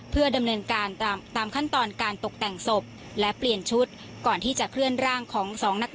เพื่อดำเนินการตามขั้นตอนการตกแต่งศพและเปลี่ยนชุด